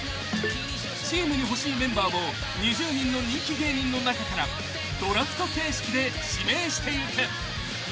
［チームに欲しいメンバーを２０人の人気芸人の中からドラフト形式で指名していく］